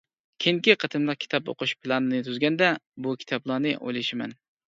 كېيىنكى قېتىملىق كىتاب ئوقۇش پىلانىنى تۈزگەندە بۇ كىتابلارنى ئويلىشىمەن.